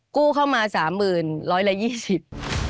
กู้เข้ามา๓๐๐๐๐บาทร้อยละ๒๐๐๐๐บาท